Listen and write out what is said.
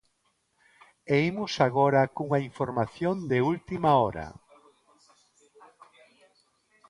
E imos agora cunha información de última hora.